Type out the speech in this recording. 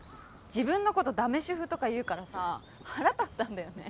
自分のことだめ主婦とか言うからさ腹立ったんだよね。